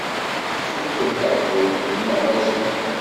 Tfukkemt taḥbult-nni neɣ mazal?